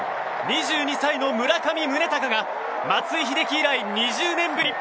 ２２歳の村上宗隆が松井秀喜以来２０年ぶり